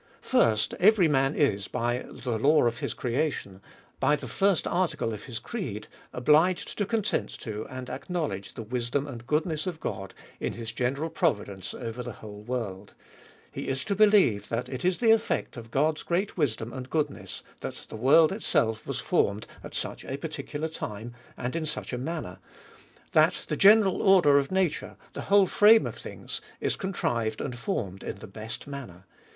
First, Every man is by the law of his creation, by the first article of his creed, obliged to consent to, and acknowledge the wisdom and goodness of God, in his general providence over the whole world. He is to believe that it is the effect of God's great wisdom and goodness, that the world itself was formed at such a particular time, and in such a manner. That the ge neral order of nature, the whole frame of things, is contrived and formed in the best manner.